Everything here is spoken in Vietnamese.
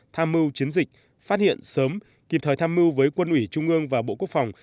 tham mưu chiến dịch phát hiện sớm kịp thời tham mưu với quân ủy trung ương và bộ quốc phòng